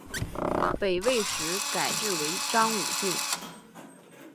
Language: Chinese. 北魏时改置为章武郡。